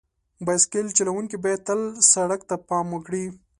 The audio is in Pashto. بایسکل چلونکي باید تل سړک ته پام وکړي.